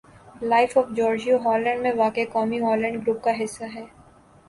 life of Georgia Holland میں واقع قومی ہالینڈ گروپ کا حصّہ ہے